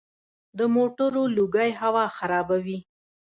د موټرو لوګی هوا خرابوي.